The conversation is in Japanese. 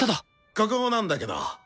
ここなんだけど。